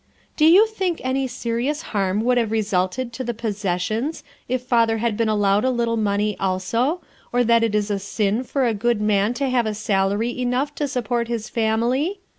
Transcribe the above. "Do you think any serious harm would have resulted to the 'possessions' if Father had been allowed a little money also, or that it is a sin for a good man to have salary enough to support his family?